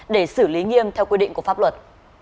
để xử lý nghiêm theo quy định của pháp luật